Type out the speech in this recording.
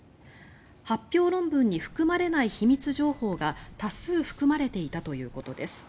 発表論文に含まれない秘密情報が多数含まれていたということです。